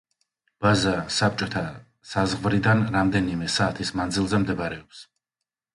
ბაზა საბჭოთა საზღვრიდან რამდენიმე საათის მანძილზე მდებარეობს.